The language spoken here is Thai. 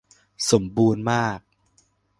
สมบูรณ์มาก !